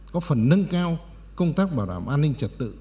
có phần nâng cao công tác bảo đảm an ninh trật tự